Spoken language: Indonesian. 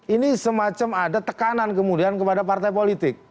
ini semacam ada tekanan kemudian kepada partai politik